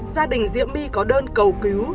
gia đình diễm my có đơn cầu cứu